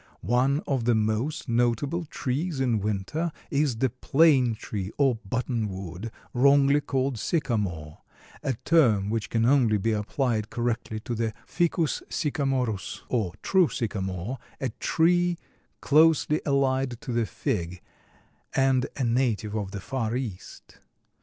One of the most notable trees in winter is the plane tree or buttonwood, wrongly called sycamore, a term which can only be applied correctly to the Ficus sycamorus, or true sycamore, a tree closely allied to the fig, and a native of the far East.